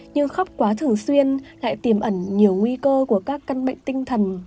nhưng khóc quá thường xuyên lại tiềm ẩn nhiều nguy cơ của các căn bệnh tinh thần